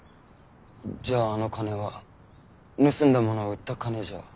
じゃああの金は盗んだものを売った金じゃ。